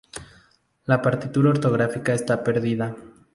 La partitura autógrafa está perdida.